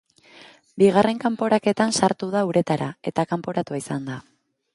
Bigarren kanporaketan sartu da uretara, eta kanporatua izan da.